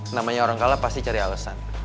namanya orang kalah pasti cari alasan